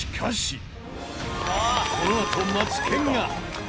このあとマツケンが。